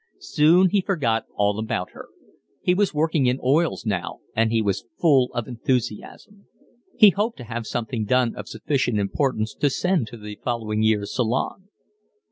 Soon he forgot all about her. He was working in oils now and he was full of enthusiasm. He hoped to have something done of sufficient importance to send to the following year's Salon.